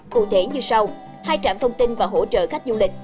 cụ thể như sau hai trạm thông tin và hỗ trợ khách du lịch